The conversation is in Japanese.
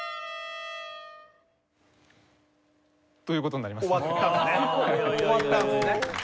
という事になります。